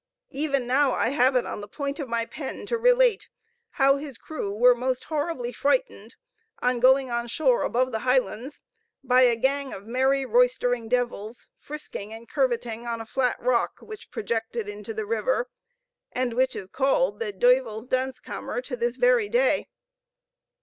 Even now I have it on the point of my pen to relate how his crew were most horribly frightened, on going on shore above the Highlands, by a gang of merry roistering devils, frisking and curveting on a flat rock, which projected into the river, and which is called the Duyvel's Dans Kamer to this very day.